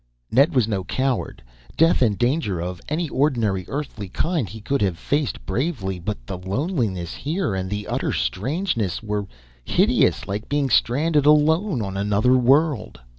Ned was no coward death and danger of any ordinary Earthly kind, he could have faced bravely. But the loneliness here, and the utter strangeness, were hideous like being stranded alone on another world!